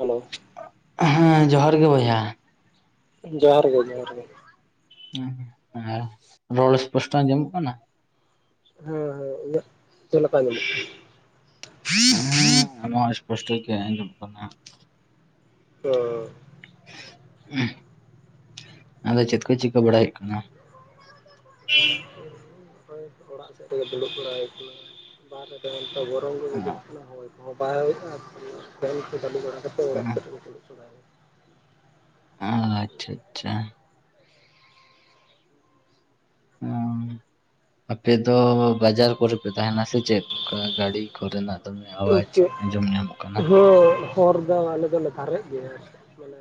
Hello ᱦᱮᱸ ᱡᱚᱦᱟᱨ ᱜᱮ ᱵᱚᱭᱦᱟ ᱡᱚᱦᱟᱨ ᱜᱮ ᱡᱚᱦᱟᱨ ᱜᱮ [unintelligible] ᱨᱚᱲ ᱥᱯᱚᱥᱴᱚ ᱟᱡᱚᱢᱱᱚᱜ ᱠᱟᱱᱟ ᱦᱮᱸ ᱦᱮᱸ ᱤᱧᱟᱹᱜ ᱪᱮᱫ ᱞᱮᱠᱟ ᱟᱸᱡᱚᱢᱚᱜ ᱠᱟᱱᱟ? [unintelligible] ᱦᱮᱸ ᱟᱢᱟᱜ ᱥᱯᱚᱥᱴᱚ ᱜᱮ ᱟᱡᱚᱢᱚᱜ ᱠᱟᱱᱟ ᱚᱻ [unintelligible] ᱟᱫᱚ ᱪᱮᱫ ᱠᱚ ᱪᱤᱠᱟᱹ ᱵᱟᱲᱟ ᱦᱩᱭᱩᱜ ᱠᱟᱱᱟ [unintelligible] ᱦᱚᱭ ᱚᱲᱟᱜ ᱥᱮᱫ ᱨᱮ ᱜᱮ ᱫᱩᱲᱩᱵ ᱵᱟᱲᱟ ᱦᱩᱭ ᱟᱠᱟᱱᱟ [unintelligible] [unintelligible] ᱦᱳᱭ ᱨᱤᱧ ᱩᱰᱩᱜᱽ ᱟᱠᱟᱱᱟ ᱦᱳᱭ ᱠᱚ ᱦᱚᱸ ᱵᱟᱭ ᱦᱳᱭ ᱮᱜ-ᱟ ᱟᱨ ᱯᱷᱮᱱ ᱠᱚ ᱪᱟᱹᱞᱩ ᱵᱟᱲᱟ ᱠᱟᱛᱮᱫ ᱚᱲᱟᱜ ᱥᱮᱫ ᱨᱮᱜᱮ ᱫᱩᱲᱩᱵ ᱵᱟᱲᱟ [unintelligible] ᱚ ᱟᱪᱪᱷᱟ ᱟᱪᱪᱷᱟ ᱚ ᱟᱯᱮ ᱫᱚ ᱵᱟᱡᱟᱨ ᱠᱚᱨᱮ ᱯᱮ ᱛᱟᱦᱮᱸᱱᱟ ᱥᱮ ᱪᱮᱫ ᱚᱱᱠᱟ ᱜᱟᱹᱲᱤ ᱠᱚ ᱨᱮᱱᱟᱜ ᱫᱚᱢᱮ ᱠᱟᱱᱟ᱾ ᱟᱣᱟᱡᱽ ᱤᱱᱠᱟᱹ ᱟᱸᱡᱚᱢ ᱧᱟᱢᱚᱜ ᱠᱟᱱᱟ ᱦᱚᱸ ᱦᱚᱨ ᱫᱚ ᱟᱞᱮ ᱫᱚ ᱞᱮ ᱫᱷᱟᱨᱮᱜ ᱜᱮᱭᱟ [unintelligible]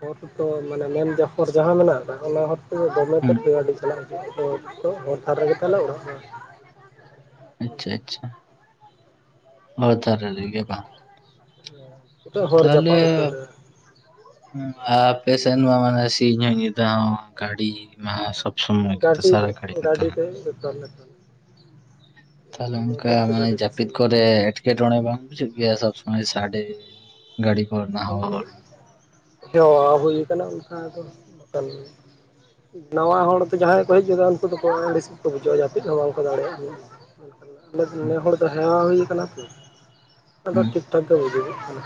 ᱦᱚᱨ ᱠᱳ ᱛᱚ ᱢᱟᱱᱮ ᱢᱮᱱ [unintelligible] ᱡᱟᱦᱟ ᱢᱮᱱᱟᱜᱼᱟ ᱚᱱᱟ ᱦᱚᱨ ᱫᱚᱢᱮ ᱦᱮᱸ ᱛᱮᱫ ᱜᱮ ᱜᱟᱹᱰᱤ ᱪᱟᱞᱟᱜ ᱦᱚᱨ ᱫᱚ ᱦᱚᱨ ᱫᱷᱟᱨ ᱨᱮ ᱜᱮ ᱛᱟᱞᱮ ᱚᱲᱟᱜ ᱫᱚ ᱟᱪᱪᱷᱟ ᱟᱪᱪᱷᱟ ᱦᱚᱨ ᱫᱷᱟᱨᱮ ᱨᱮ ᱜᱮ ᱵᱟᱝ [unintelligible] ᱛᱟᱦᱞᱮ ᱡᱟᱯᱟᱜ ᱩᱛᱟᱹᱨᱟ ᱟᱯᱮ ᱥᱮᱱ ᱢᱟ ᱢᱟᱱᱮ ᱥᱤᱧ ᱦᱚᱸ ᱧᱤᱫᱟᱹ ᱦᱚᱸ ᱜᱟᱹᱰᱤ ᱚᱱᱟ ᱦᱚᱸ [unintelligible] ᱥᱳᱢᱳᱭ ᱜᱮ ᱛᱚ ᱜᱟᱹᱰᱤ ᱥᱟᱨᱟ ᱫᱚ ᱠᱷᱟᱹᱲᱤ ᱜᱮ ᱛᱚ ᱜᱟᱹᱰᱤ ᱦᱟᱸᱜ ᱛᱮ ᱡᱚᱛᱚ ᱞᱮ ᱛᱟᱦᱚᱞᱮ ᱫᱚᱢᱮ ᱚᱱᱠᱟ ᱛᱮᱫ ᱯᱚᱭᱥᱟ ᱢᱟᱱᱮ ᱡᱟᱹᱯᱤᱫ ᱰᱮᱯᱷᱤᱥᱤᱭᱮᱱᱴ ᱠᱚᱨᱮ ᱮᱴ..... ᱠᱮᱴᱚᱸᱬᱮ ᱵᱟᱝ ᱵᱩᱡᱷᱟᱹᱜ ᱜᱮᱭᱟ ᱥᱚᱵᱽ ᱥᱳᱢᱳᱭ ᱥᱟᱸᱰᱮ ᱜᱟᱹᱲᱤ ᱠᱚ ᱨᱮᱱᱟᱜ ᱚᱱᱠᱟ ᱦᱚᱸ ᱦᱚᱸ ᱦᱩᱭ ᱟᱠᱟᱱᱟ ᱚᱱᱠᱟ ᱫᱚ [unintelligible] ᱱᱟᱶᱟ ᱦᱚᱲ ᱫᱚ ᱡᱟᱦᱟᱸᱭ ᱠᱚ ᱦᱮᱡ ᱜᱚᱫᱚᱜ-ᱟ ᱩᱱᱠᱩ ᱫᱚ ᱠᱚ ᱟᱹᱬᱤᱥ ᱜᱮ ᱠᱚ ᱵᱩᱡᱷᱟᱹᱣᱟ ᱡᱟᱹᱯᱤᱫ ᱦᱚᱸ ᱵᱟᱝᱠᱚ ᱫᱟᱲᱮᱭᱟᱜᱼᱟ ᱢᱮᱱᱠᱷᱟᱱ ᱟᱫᱚ ᱟᱞᱮ ᱫᱚ ᱱᱮ ᱦᱚᱲ ᱫᱚ ᱦᱮᱣᱟ ᱦᱩᱭ ᱟᱠᱟᱱᱟ ᱛᱚ ᱟᱫᱚ ᱦᱩᱸ ᱴᱷᱤᱠ ᱴᱷᱟᱠ ᱜᱮ ᱵᱩᱡᱩᱜᱚᱜ ᱠᱟᱱᱟ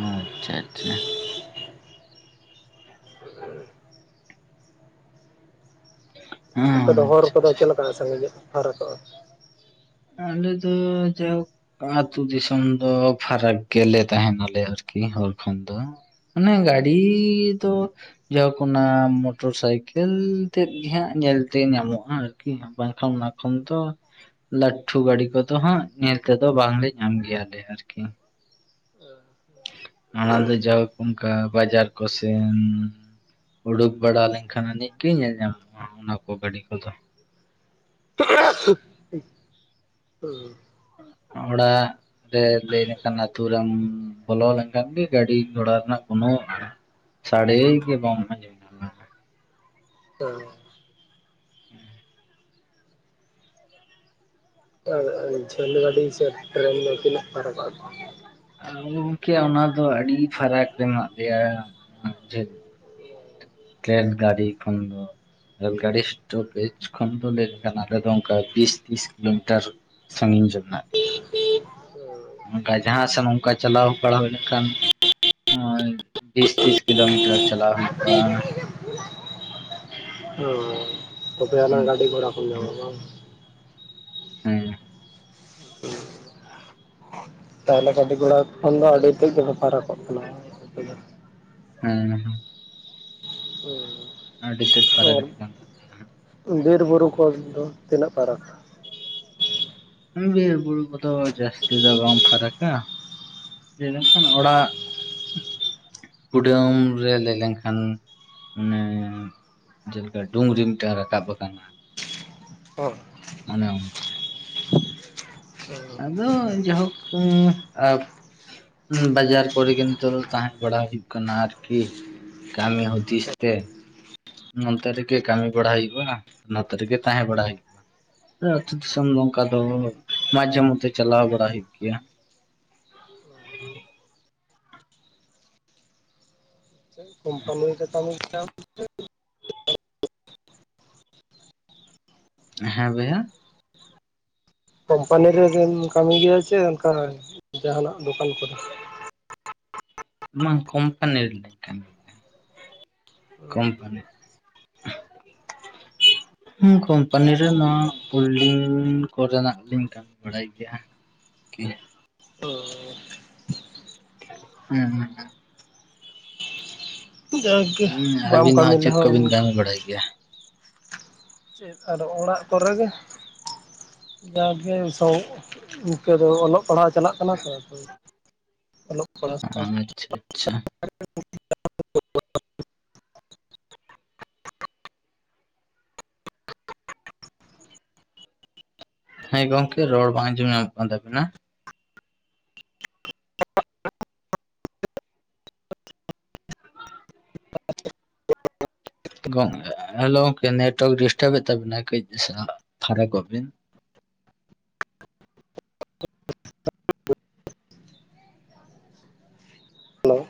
ᱟᱪᱪᱷᱟ ᱟᱪᱪᱷᱟ [inaudible] [inaudible] ᱟᱯᱮ ᱫᱚ ᱦᱚᱨ ᱟᱪᱪᱷᱟ ᱠᱚᱫᱚ ᱟᱪᱪᱷᱟ ᱪᱮᱫ ᱞᱮᱠᱟ ᱥᱟᱺᱜᱤᱱ ᱧᱚᱜ ᱯᱷᱟᱨᱟᱠᱚᱜᱼᱟ ᱟᱞᱮ ᱫᱚ ᱡᱟᱭᱦᱳᱠ ᱟᱛᱩ ᱫᱤᱥᱚᱢ ᱫᱚ ᱯᱷᱟᱨᱟᱠ ᱜᱮ ᱞᱮ ᱛᱟᱦᱮᱱᱟ ᱞᱮ ᱟᱨᱠᱤ ᱦᱚᱨ ᱠᱷᱚᱱ ᱫᱚ ᱢᱟᱱᱮ ᱜᱟᱹᱰᱤ ᱫᱚ ᱡᱟᱣ ᱠᱷᱚᱱᱟᱜ ᱢᱚᱴᱚᱨ ᱥᱟᱭᱠᱮᱞ ᱛᱮᱫ ᱜᱮ ᱦᱟᱸᱜ ᱧᱮᱞᱛᱮ ᱧᱟᱢᱚᱜᱼᱟ ᱟᱨᱠᱤ ᱠᱤ ᱦᱟᱸᱜ ᱵᱟᱝᱠᱷᱟᱱ ᱚᱱᱟ ᱠᱷᱚᱱ ᱛᱚ ᱞᱟᱹᱴᱷᱩ ᱜᱟᱹᱰᱤ ᱠᱚᱫᱚ ᱦᱟᱸᱜ ᱧᱮᱞ ᱛᱮ ᱫᱚ ᱵᱟᱝᱞᱮ ᱧᱟᱢ ᱜᱮᱭᱟ ᱞᱮ ᱟᱨᱠᱤ [inaudible] ᱚᱱᱟ ᱫᱚ ᱡᱟᱭᱦᱳᱠ ᱚᱱᱠᱟ ᱵᱟᱡᱟᱨ ᱠᱚᱥᱮᱱ ᱩᱰᱩᱠ ᱵᱟᱲᱟ ᱞᱮᱱᱠᱷᱟᱱ ᱟᱹᱱᱤᱡ ᱜᱮ ᱧᱮᱞ ᱧᱟᱢᱚᱜᱼᱟ ᱚᱱᱟ ᱠᱚ ᱜᱟᱹᱰᱤ ᱠᱚ ᱫᱚ [unintelligible] ᱚᱲᱟᱜ ᱨᱮ ᱞᱟᱹᱭ ᱞᱮᱠᱟᱱ ᱟᱹᱛᱩ ᱨᱮᱢ ᱵᱚᱞᱚ ᱞᱮᱱᱠᱷᱟᱱ ᱜᱮ ᱜᱟᱹᱰᱤ ᱜᱷᱚᱲᱟ ᱨᱮᱱᱟᱜ ᱠᱚᱱᱳ ᱥᱟᱰᱮ ᱜᱮ ᱵᱟᱢ ᱟᱸᱡᱚᱢ ᱧᱟᱢᱟ ᱦᱩᱸ [unintelligible] ᱡᱷᱟᱹᱞ ᱜᱟᱹᱰᱤ ᱥᱮ ᱴᱨᱮᱹᱱ ᱫᱚ ᱛᱤᱱᱟᱹᱜ ᱯᱷᱟᱨᱟᱠᱚᱜ-ᱟ ᱟᱨ ᱠᱚᱫᱚ ᱜᱚᱝᱠᱮ ᱚᱱᱟ ᱫᱚ ᱟᱹᱰᱤ ᱯᱷᱟᱨᱟᱠ ᱨᱮᱱᱟᱜ ᱢᱮᱱᱟᱜ ᱞᱮᱭᱟ [unintelligible] ᱴᱨᱮᱠ ᱜᱟᱹᱰᱤ ᱠᱷᱚᱱ ᱫᱚ᱾ ᱨᱮᱞ ᱜᱟᱹᱲᱤ ᱥᱴᱚᱯᱮᱡ ᱠᱷᱚᱱ ᱫᱚ ᱞᱟᱹᱭ ᱞᱮᱠᱷᱟᱱ ᱟᱞᱮ ᱫᱚ ᱚᱱᱠᱟ ᱵᱤᱥ ᱛᱤᱨᱤᱥ ᱠᱤᱞᱳ ᱢᱤᱴᱟᱨ᱾ ᱥᱟᱺᱜᱤᱧ ᱡᱷᱟᱹᱞ ᱱᱟᱜ᱾ [unintelligible] ᱚᱱᱠᱟ ᱡᱟᱦᱟᱸ ᱥᱮᱱ ᱚᱱᱠᱟ ᱪᱟᱞᱟᱣ ᱵᱟᱲᱟ ᱦᱳᱭ ᱞᱮᱱᱠᱷᱟᱱ᱾ ᱦᱳᱭ ᱵᱤᱥ ᱛᱤᱥ ᱠᱤᱞᱳ ᱢᱤᱴᱟᱨ ᱪᱟᱞᱟᱣ ᱦᱩᱭᱩᱜᱼᱟ᱾ ᱦᱳᱭ ᱛᱚᱵᱮ ᱟᱱᱟᱝ ᱦᱮᱸ ᱜᱟᱹᱰᱤ ᱜᱷᱚᱲᱟ ᱠᱚᱢ ᱧᱟᱢᱟ ᱵᱟᱝ᱾ ᱛᱟᱦᱚᱞᱮ ᱜᱟᱹᱰᱤ ᱜᱷᱚᱲᱟ ᱠᱷᱚᱱ ᱫᱚ ᱟᱹᱰᱤ ᱛᱮᱫ ᱜᱮᱯᱮ ᱯᱷᱟᱨᱟᱠᱚᱜ ᱠᱟᱱᱟ᱾ ᱦᱳᱭ ᱟᱯᱮ ᱫᱚ᱾ ᱦᱮᱸ ᱦᱮᱸ᱾ ᱦᱳᱭ ᱟᱹᱰᱤ ᱛᱮ [unintelligible] ᱵᱤᱨ-ᱵᱩᱨᱩ ᱠᱚ ᱫᱚ ᱛᱤᱱᱟᱹᱜ ᱯᱷᱟᱨᱟᱠᱟ᱾ ᱵᱤᱨ-ᱵᱩᱨᱩ ᱠᱚᱫᱚ ᱡᱟᱹᱥᱛᱤ ᱫᱚ ᱵᱟᱝ ᱯᱷᱟᱨᱟᱠᱟ᱾ ᱡᱮᱞᱮᱞᱮᱠᱟᱱ ᱚᱲᱟᱜ᱾ ᱠᱩᱰᱟᱹᱢ ᱨᱮ ᱞᱟᱹᱭ ᱞᱮᱱᱠᱷᱟᱱ ᱢᱟᱱᱮ᱾ ᱡᱮᱞᱮᱠᱟ ᱰᱩᱝᱨᱤ ᱢᱤᱫᱴᱟᱝ ᱨᱟᱠᱟᱵ ᱟᱠᱟᱱᱟ᱾ ᱦᱚᱸ ᱚᱱᱮ ᱚᱱᱠᱟ᱾ ᱟᱫᱚ ᱡᱟᱭ ᱦᱳᱠ ᱩᱸ ᱟ- ᱵᱟᱡᱟᱨ ᱠᱚᱨᱮ ᱜᱮ ᱱᱤᱛᱚᱜ ᱫᱚ ᱛᱟᱦᱮᱸ ᱵᱟᱲᱟᱭ ᱦᱩᱭᱩᱜ ᱠᱟᱱᱟ ᱟᱨᱠᱤ ᱠᱟᱹᱢᱤ ᱦᱩᱫᱤᱥ ᱛᱮ᱾ ᱱᱚᱱᱛᱮ ᱨᱮᱜᱮ ᱠᱟᱹᱢᱤ ᱵᱟᱲᱟᱭ ᱦᱚᱭᱩᱜ-ᱟ᱾ ᱱᱚᱛᱮ ᱨᱮᱜᱮᱸᱛᱟᱦᱮᱸ ᱵᱟᱲᱟᱭ ᱦᱚᱭᱩᱜ ᱟᱹᱛᱩ ᱫᱤᱥᱚᱢ ᱫᱚ ᱚᱱᱠᱟ ᱫᱚ ᱢᱟᱡᱷᱮ ᱢᱚᱫᱽᱫᱷᱮ ᱪᱟᱞᱟᱣ ᱵᱟᱲᱟ ᱦᱩᱭᱩᱜ ᱜᱮᱭᱟ᱾ ᱠᱳᱢᱯᱟᱱᱤ ᱨᱮ ᱠᱟᱹᱢᱤ ᱜᱮᱭᱟᱢ [inaudible] ᱦᱮᱸ ᱵᱷᱚᱭᱦᱟ ᱠᱳᱢᱯᱟᱱᱤ ᱨᱮᱵᱤᱱ ᱠᱟᱹᱢᱤ ᱜᱮᱭᱟ ᱥᱮ ᱚᱱᱠᱟ ᱡᱟᱦᱟᱱᱟᱜ ᱫᱚᱠᱟᱱ ᱠᱚᱨᱮ᱾ ᱵᱟᱝ ᱠᱳᱢᱯᱟᱱᱤ ᱨᱮᱞᱤᱧ ᱠᱟᱹᱢᱤ ᱜᱮᱭᱟ ᱠᱳᱢᱯᱟᱱᱤ᱾ [inaudible] ᱦᱩᱸ ᱠᱳᱢᱯᱟᱱᱤ ᱨᱮ ᱱᱚᱣᱟ ᱦᱩᱞᱰᱤᱝ ᱠᱚᱨᱮᱱᱟᱜ ᱞᱤᱧ ᱠᱟᱹᱢᱤ ᱵᱟᱲᱟᱭ ᱜᱮᱭᱟ ᱦᱟᱸᱜ ᱠᱤ᱾ ᱳ ᱦᱩᱸ ᱦᱩᱸ ᱡᱟᱜᱮ ᱩᱸ ᱵᱟᱢ ᱟᱹᱵᱤᱱ ᱫᱚ ᱠᱟᱹᱢᱤ ᱦᱟᱸᱜ ᱪᱮᱫ ᱠᱚᱵᱤᱱ ᱨᱮᱦᱚᱸ ᱠᱟᱹᱢᱤ ᱵᱟᱲᱟᱭ ᱜᱮᱭᱟ᱾ ᱪᱮᱫ ᱟᱨᱚ ᱚᱲᱟᱜ ᱠᱚᱨᱮ ᱜᱮ᱾ ᱡᱟᱜᱮ ᱥᱚᱸᱜ ᱤᱱᱠᱟᱹ ᱫᱚ ᱚᱞᱚᱜ ᱯᱟᱲᱦᱟᱣ ᱪᱟᱞᱟᱜ ᱠᱟᱱᱟ ᱛᱚ ᱟᱫᱚ ᱚᱞᱚᱜ ᱯᱟᱲᱟᱣ᱾ ᱟᱪᱪᱷᱟ ᱟᱪᱪᱷᱟ᱾ [inaudible] ᱦᱮᱸ ᱜᱚᱝᱠᱮ ᱨᱚᱲ ᱵᱟᱝ ᱟᱡᱚᱢᱚᱜ ᱠᱟᱱ ᱛᱟᱵᱤᱱᱟ᱾ [unintelligible] [inaudible] ᱜᱚᱝ ᱦᱮᱞᱳ ᱜᱚᱝᱠᱮ ᱱᱮᱴᱣᱟᱨᱠ ᱰᱤᱥᱴᱟᱵ ᱮᱫ ᱛᱟᱵᱤᱱᱟᱭ ᱠᱟᱹᱡ ᱥᱟ ᱯᱷᱟᱨᱟᱠᱚᱜ ᱵᱤᱱ᱾ ᱦᱮᱞᱳ,